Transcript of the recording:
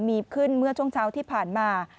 มีขึ้นเมื่อช่วงเช้าที่ผ่านมา